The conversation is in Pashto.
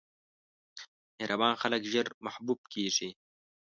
مهربان خلک ژر محبوب کېږي.